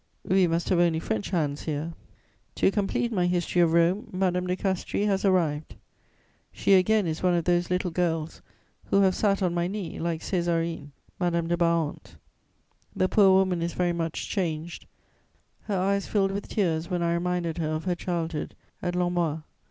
We must have only French hands here. "To complete my History of Rome, Madame de Castries has arrived. She again is one of those little girls who have sat on my knee, like Césarine (Madame de Barante). The poor woman is very much changed; her eyes filled with tears when I reminded her of her childhood at Lormois.